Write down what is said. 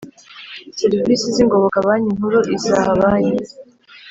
serivisi z ingoboka Banki Nkuru izaha banki